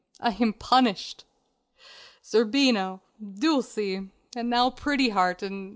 I am punished. Zerbino, Dulcie, and now Pretty Heart and